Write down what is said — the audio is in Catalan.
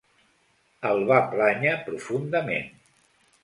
El va plànyer profundament.